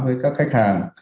với các khách hàng